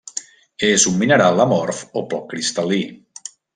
És un mineral amorf o poc cristal·lí.